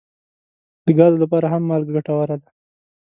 د ګازو لپاره هم مالګه ګټوره ده.